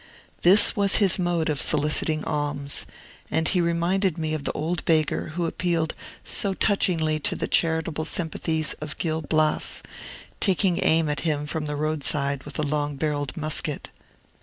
This was his mode of soliciting alms; and he reminded me of the old beggar who appealed so touchingly to the charitable sympathies of Gil Blas, taking aim at him from the roadside with a long barrelled musket.